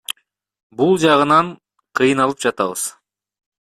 Бул жагынан кыйналып жатабыз.